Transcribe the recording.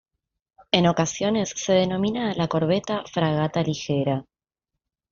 En ocasiones se denomina a la corbeta "fragata ligera".